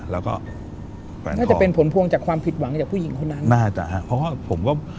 น่าจะเป็นผลพวงจากความผิดหวังจากผู้หญิงคนนั้น